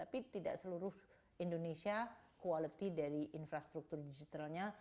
tapi tidak seluruh indonesia quality dari infrastruktur digitalnya